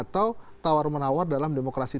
maka yang terjadi adalah gesekan gesekan